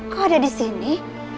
kok ada disini